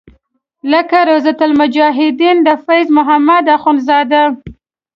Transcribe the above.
لکه روضة المجاهدین د فیض محمد اخونزاده.